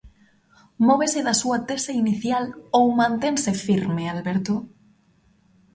Móvese da súa tese inicial ou mantense firme, Alberto?